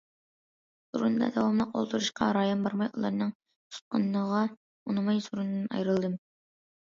سورۇندا داۋاملىق ئولتۇرۇشقا رايىم بارماي ئۇلارنىڭ تۇتقىنىغا ئۇنىماي سورۇندىن ئايرىلدىم.